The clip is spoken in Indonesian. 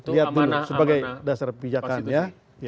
lihat dulu sebagai dasar pijakannya